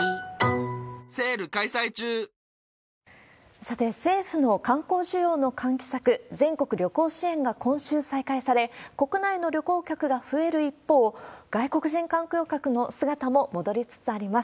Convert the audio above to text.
さて、政府の観光需要の喚起策、全国旅行支援が今週再開され、国内の旅行客が増える一方、外国人観光客の姿も戻りつつあります。